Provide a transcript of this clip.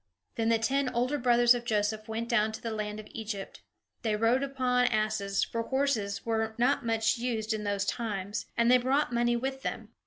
Then the ten older brothers of Joseph went down to the land of Egypt. They rode upon asses, for horses were not much used in those times, and they brought money with them.